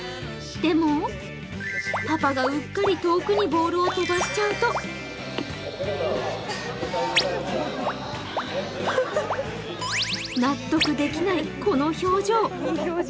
でも、パパがうっかり遠くにボールを飛ばしちゃうと納得できない、この表情。